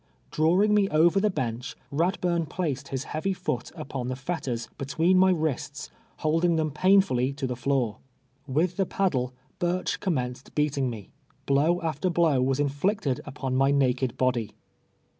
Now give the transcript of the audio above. Drawing me over the bench, face down wards, liadburn placed his heavy foot upon the fet ters, between my wrists, holding them painfully to tlie floor. With the paddle, Ihirch commenced beating me. Bliiw after l)l<nv was intiicted npon my naked body.